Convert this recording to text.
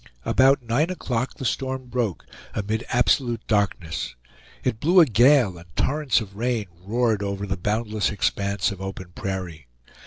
About nine o'clock the storm broke, amid absolute darkness; it blew a gale, and torrents of rain roared over the boundless expanse of open prairie.